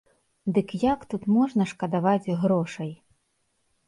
Дык як тут можна шкадаваць грошай?